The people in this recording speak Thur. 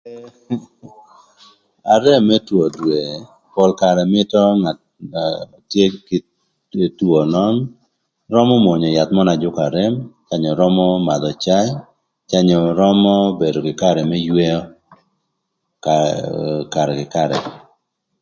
Arem më two dwe pol karë mïtö ngat na tye kï two nön römö mwönyö yath mö na jükö arem, onyo römö madhö caï cë onyo römö bedo kï karë më yweo karë kï karë.